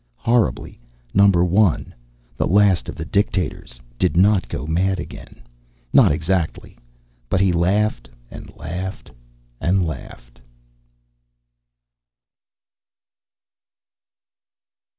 Horribly, Number One, the last of the dictators, did not go mad again; not exactly, but he laughed, and laughed and laughed....